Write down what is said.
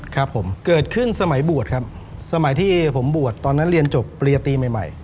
ครับผมเกิดขึ้นสมัยบวชครับสมัยที่ผมบวชตอนนั้นเรียนจบปริยตีใหม่ใหม่